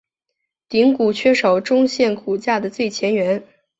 顶骨缺少中线骨架的最前缘。